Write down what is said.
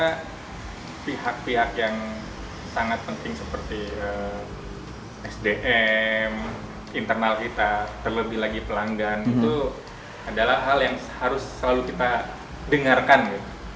karena pihak pihak yang sangat penting seperti sdm internal kita terlebih lagi pelanggan itu adalah hal yang harus selalu kita dengarkan gitu